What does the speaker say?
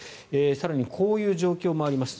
更にこういう状況もあります。